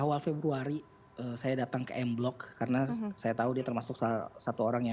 awal februari saya datang ke m block karena saya tahu dia termasuk salah satu orang yang